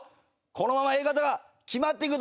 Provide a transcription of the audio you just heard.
このままＡ型が決まっていく。